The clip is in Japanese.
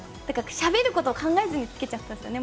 しゃべることを考えずに付けちゃったんですよね。